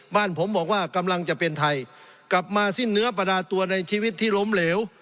บ้านผมบอกว่ากำลังจะเป็นไทยกลับมาสิ้นเนื้อประดาตัวในชีวิตที่ล้มเหลว